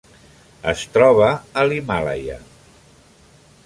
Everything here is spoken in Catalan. Es troba a l'Himàlaia.